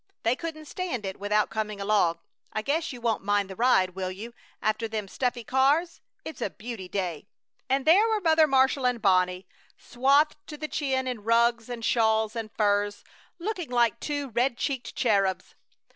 They couldn't stand it without coming along. I guess you won't mind the ride, will you, after them stuffy cars? It's a beauty day!" And there were Mother Marshall and Bonnie, swathed to the chin in rugs and shawls and furs, looking like two red cheeked cherubs!